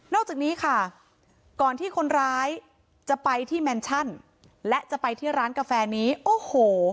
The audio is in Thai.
อกจากนี้ค่ะก่อนที่คนร้ายจะไปที่แมนชั่นและจะไปที่ร้านกาแฟนี้โอ้โห